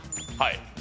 はい